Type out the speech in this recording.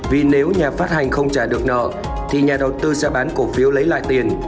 vì nếu nhà phát hành không trả được nợ thì nhà đầu tư sẽ bán cổ phiếu lấy lại tiền